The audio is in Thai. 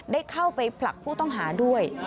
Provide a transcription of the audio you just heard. ได้เข้าไปผลักผู้ต้องหาด้วย